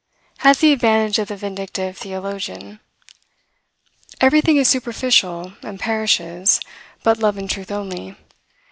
has the advantage of the vindictive theologian. Everything is superficial, and perishes, but love and truth only.